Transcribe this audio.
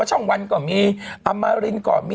ช่องวันมีอย่าง